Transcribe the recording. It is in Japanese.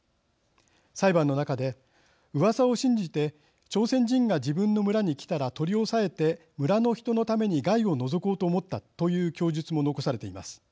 裁判の中で「うわさを信じて朝鮮人が自分の村に来たら取り押さえて村の人のために害を除こうと思った」という供述も残されています。